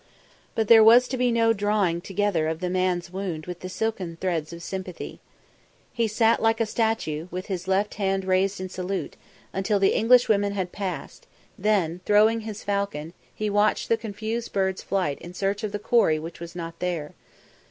But there was to be no drawing together of the man's wound with the silken threads of sympathy. He sat like a statue, with his left hand raised in salute, until the Englishwomen had passed; then, throwing his falcon, he watched the confused bird's flight in search of the quarry which was not there.